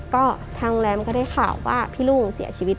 ก็ทางแรมก็ได้ข่าวว่าพี่รุ่งเสียชีวิต